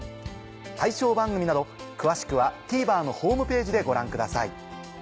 対象番組など詳しくはＴＶｅｒのホームページでご覧ください。